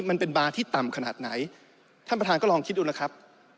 มันเป็นบาร์ที่ต่ำขนาดไหนท่านประธานก็ลองคิดดูแล้วครับ